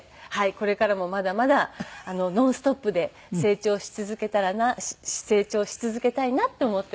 これからもまだまだノンストップで成長し続けたらな成長し続けたいなと思っています。